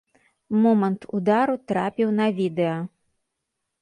Момант удару трапіў на відэа.